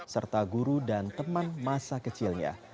serta guru dan teman masa kecilnya